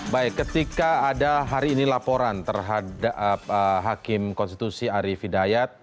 baik ketika ada hari ini laporan terhadap hakim konstitusi arief hidayat